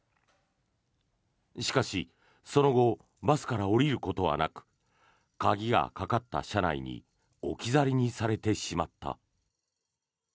しかし、その後バスから降りることはなく鍵がかかった車内に置き去りにされてしまった。